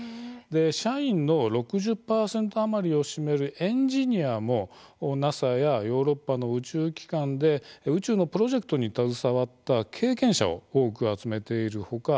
社員の６０％余りを占めるエンジニアも、ＮＡＳＡやヨーロッパの宇宙機関で宇宙のプロジェクトに携わった経験者を多く集めている他